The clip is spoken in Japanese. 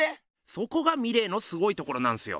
そこがミレーのすごいところなんすよ。